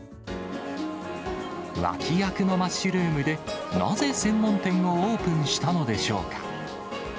脇役のマッシュルームでなぜ専門店をオープンしたのでしょうか。